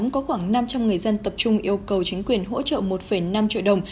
có khoảng năm trăm linh người dân tập trung yêu cầu chính quyền hỗ trợ một năm triệu đồng